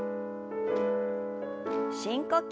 深呼吸。